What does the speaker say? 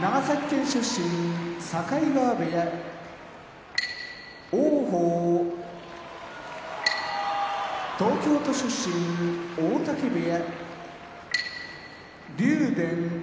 長崎県出身境川部屋王鵬東京都出身大嶽部屋竜電山梨県出身